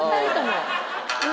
うん。